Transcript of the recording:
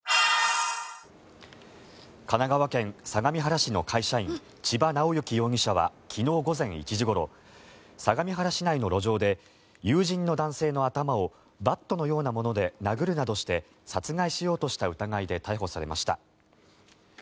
神奈川県相模原市の会社員千葉直幸容疑者は昨日午前１時ごろ相模原市内の路上で友人の男性の頭をバットのようなもので殴るなどして殺害しようとした疑いで逮捕されました。